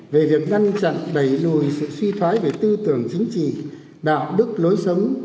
về việc ngăn chặn đẩy lùi sự suy thoái về tư tưởng chính trị đạo đức lối sống